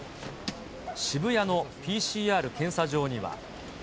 渋谷のＰＣＲ検査場には。